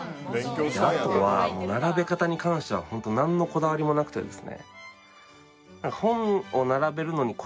あとはもう並べ方に関してはなんのこだわりもなくてですね。